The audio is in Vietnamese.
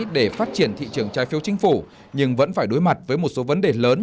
để phát triển thị trường trái phiếu chính phủ nhưng vẫn phải đối mặt với một số vấn đề lớn